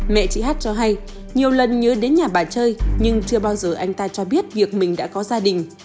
mẹ chị hát cho hay nhiều lần nhớ đến nhà bà chơi nhưng chưa bao giờ anh ta cho biết việc mình đã có gia đình